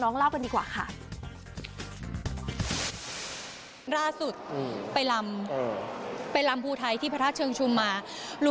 ต้นาวสีต้องปัง